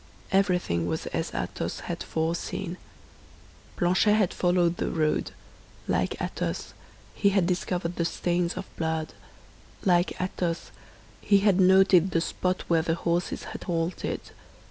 Everything was as Athos had foreseen. Planchet had followed the road; like Athos, he had discovered the stains of blood; like Athos, he had noted the spot where the horses had halted.